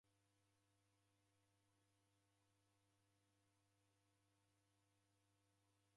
Maghesho ghako ni gha muhimu.